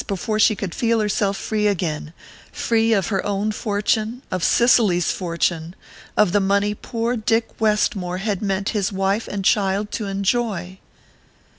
before she would feel herself free again free of her own fortune, of Cicely's fortune...of the money poor Dick Westmore had meant his wife and child to enjoy!